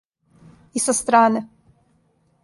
И са стране.